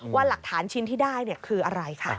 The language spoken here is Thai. ว่าหลักฐานชิ้นที่ได้คืออะไรค่ะ